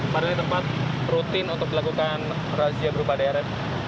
padahal ini tempat rutin untuk dilakukan razia berupa drn